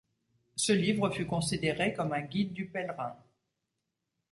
Ce Livre fut considéré comme un guide du pèlerin.